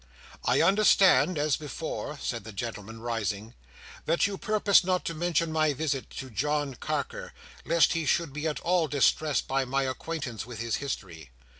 "I understand, as before," said the gentleman, rising, "that you purpose not to mention my visit to John Carker, lest he should be at all distressed by my acquaintance with his history.